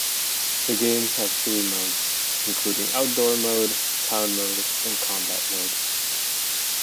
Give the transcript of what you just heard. The games have three modes including Outdoor Mode, Town Mode and Combat Mode.